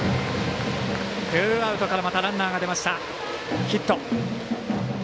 ツーアウトからまたランナーが出ました、ヒット。